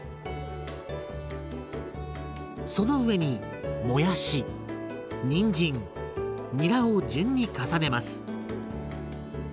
その上にもやしにんじんにらを順に重ねます。